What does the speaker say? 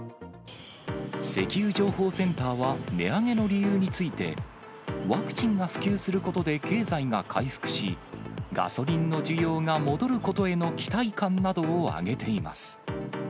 石油情報センターは、値上げの理由について、ワクチンが普及することで経済が回復し、ガソリンの需要が戻ることへの期待感などを挙げています。